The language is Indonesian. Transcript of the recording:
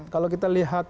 kalau kita lihat